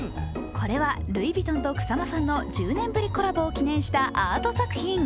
これは、ルイ・ヴィトンと草間さんの１０年ぶりコラボを記念したアート作品。